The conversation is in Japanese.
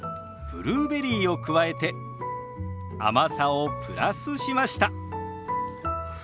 ブルーベリーを加えて甘さをプラスしました。